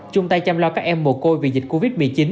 chung tay chăm lo các em mồ côi vì dịch covid một mươi chín